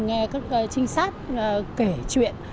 nghe các trinh sát kể chuyện